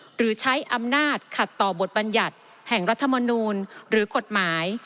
หรือใช้อำนาจขัดต่อบทบัญญัติแห่งรัฐมนูลหรือกฎหมาย